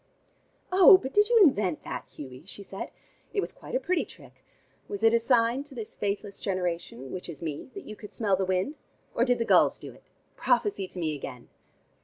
"Oh, but did you invent that, Hughie?" she said. "It was quite a pretty trick. Was it a sign to this faithless generation, which is me, that you could smell the wind? Or did the gulls do it? Prophesy to me again!"